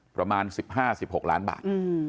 ประมาณ๑๕๑๖ล้านบาท